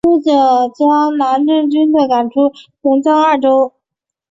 不久将南唐军队赶出泉漳二州。